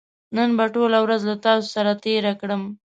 نن به ټوله ورځ له تاسو سره تېره کړم